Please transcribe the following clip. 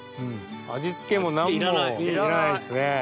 味付けも何もいらないっすね。